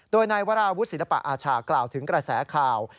โดยนายวราวุฒิศิลปะอาชากล่าวถึงกระแสข่าว